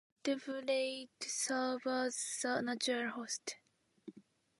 Vertebrates serve as the natural host.